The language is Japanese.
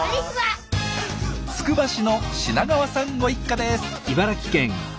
つくば市の品川さんご一家です。